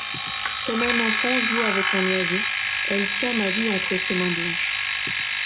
Comme un enfant joue avec un oiseau, Elle tient ma vie entre ses mains blanches.